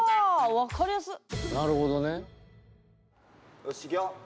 よしいくよ！